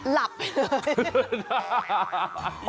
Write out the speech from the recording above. หลับไปเลย